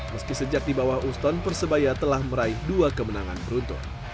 meski sejak di bawah uston persebaya telah meraih dua kemenangan beruntun